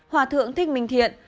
hòa thượng thích minh thiện